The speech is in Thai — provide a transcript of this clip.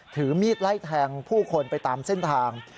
ถือมีดไล่แทงผู้คนไปตามเส้นทาง